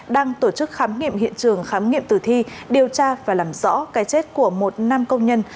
đang tổ chức khám nghiệm hiện trường khám nghiệm tử thi điều tra và làm rõ cái chết của một nam công nhân